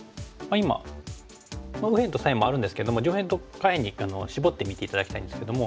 今右辺と左辺もあるんですけども上辺と下辺に絞って見て頂きたいんですけども。